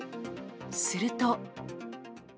すると。